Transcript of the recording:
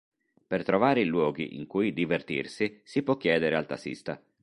Per trovare i luoghi in cui divertirsi, si può chiedere al tassista.